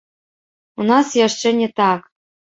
У нас яшчэ не так.